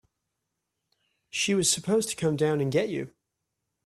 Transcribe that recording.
She was supposed to come down and get you.